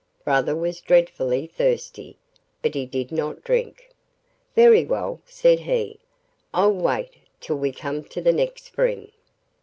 Brother was dreadfully thirsty, but he did not drink. 'Very well,' said he, 'I'll wait till we come to the next spring.